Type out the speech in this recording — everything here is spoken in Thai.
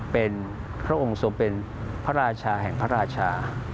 เป็นพระองค์ทรงเป็นพระราชาแห่งพระราชา